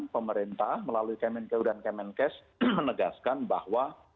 pemerintah melalui kemenkeu dan kemenkes menegaskan bahwa